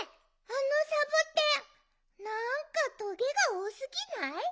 あのサボテンなんかトゲがおおすぎない？